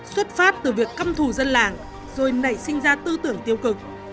xuất phát từ việc căm thù dân làng rồi nảy sinh ra tư tưởng tiêu cực